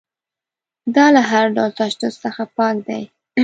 دا له هر ډول تشدد څخه پاک دی.